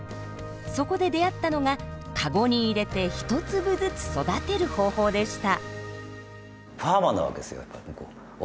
そこで出会ったのがカゴに入れて１粒ずつ育てる方法でした。